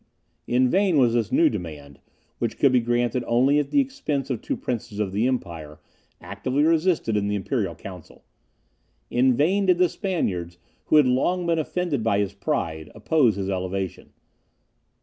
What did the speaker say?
In vain was this new demand, which could be granted only at the expense of two princes of the empire, actively resisted in the Imperial Council; in vain did the Spaniards, who had long been offended by his pride, oppose his elevation.